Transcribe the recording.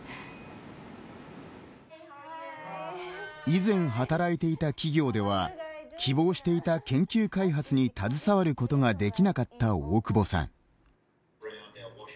以前、働いていた企業では希望していた研究開発に携わることができなかった大久保さん。